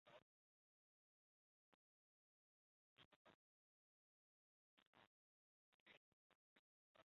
夏天瀑布的流量会因上游冰川融雪所带来的水而上升。